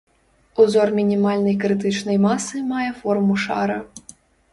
Узор мінімальнай крытычнай масы мае форму шара.